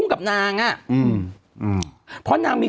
ให้นางดุ